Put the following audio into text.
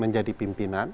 jadi saya ingin melihat